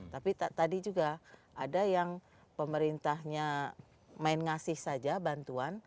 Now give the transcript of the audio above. tapi tadi juga ada yang pemerintahnya main ngasih saja bantuan